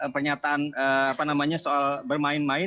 pernyataan apa namanya soal bermain main